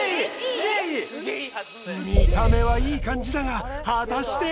見た目はいい感じだが果たして？